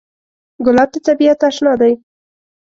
ګلاب د طبیعت اشنا دی.